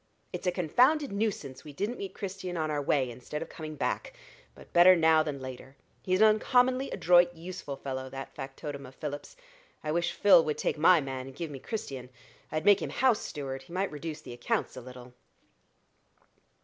"It's a confounded nuisance we didn't meet Christian on our way, instead of coming back; but better now than later. He's an uncommonly adroit, useful fellow, that factotum of Philip's. I wish Phil would take my man and give me Christian. I'd make him house steward: he might reduce the accounts a little."